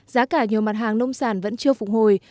giá cả nhiều mặt hàng nông sản vẫn chưa phục hồi